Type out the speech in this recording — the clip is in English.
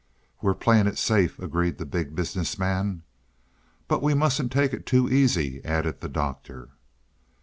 "We're playing it safe," agreed the Big Business Man. "But we mustn't take it too easy," added the Doctor.